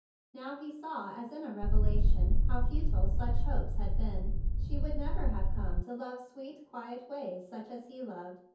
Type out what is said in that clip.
Now he saw as in a revelation how futile such hopes had been. She would never have come to love sweet, quiet ways such as he loved.